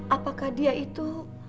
apakah dia itu